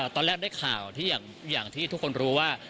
ตอนแรกได้ข่าวที่อย่างที่ทุกคนรู้ว่า